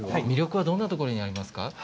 魅力はどんなところにありますか。